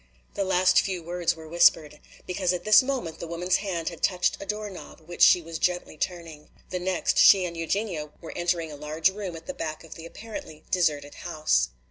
The last few words were whispered. Because at this moment the woman's hand had touched a door knob which she was gently turning. The next she and Eugenia were entering a large room at the back of the apparently deserted house.